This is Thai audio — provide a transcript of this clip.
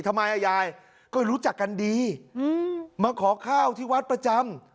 ทำไมยายก็รู้จักกันดีมาขอข้าวที่วัดประจำ